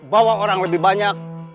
bawa orang lebih banyak